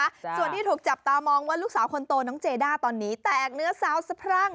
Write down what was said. ส่วนที่ถูกจับตามองว่าลูกสาวคนโตน้องเจด้าตอนนี้แตกเนื้อสาวสะพรั่ง